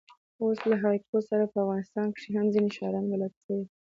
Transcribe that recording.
اوس له هایکو سره په افغانستان کښي هم ځیني شاعران بلد سوي دي.